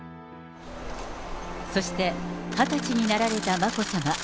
そして、２０歳になられた眞子さま。